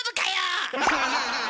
アハハハハ！